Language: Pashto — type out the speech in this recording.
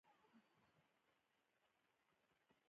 ځنګلونه د افغانستان د موسم د بدلون سبب کېږي.